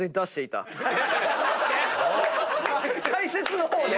解説の方ね。